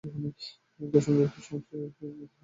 দশম জাতীয় সংসদে তিনি হুইপ হিসেবে দায়িত্ব পালন করেন।